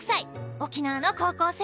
沖縄の高校生。